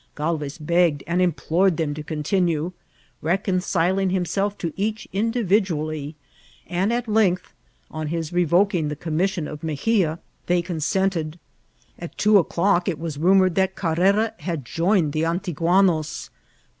Galvez begged and implored them to con tinue, reconciling himself to each indivi4ually; and at length, on his revoking the commission of Mexia, they INCIDBMTS OP TKATBl. ooiweatecL At two o'clock it vms rnmovied that Car* rera had joined the Antiguaaoa.